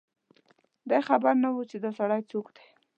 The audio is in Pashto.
دی خبر نه و چي دا سړی څوک دی